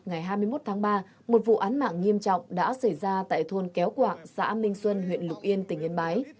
ngày hai mươi một tháng ba một vụ án mạng nghiêm trọng đã xảy ra tại thôn kéo quạng xã minh xuân huyện lục yên tỉnh yên bái